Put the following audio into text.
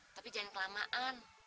tapi jangan kelamaan